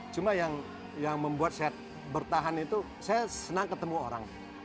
cuma yang membuat saya bertahan itu saya senang ketemu orang